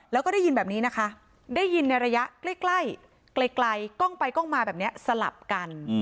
แล้วก็ได้ยินแบบนี้นะคะได้ยินในระยะใกล้กล้องไปกล้องมาแบบนี้สลับกัน